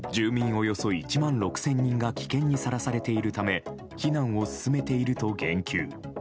およそ１万６０００人が危険にさらされているため避難を進めていると言及。